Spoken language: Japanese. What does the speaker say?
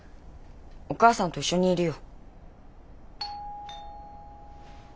お母さんと一緒にいるよ。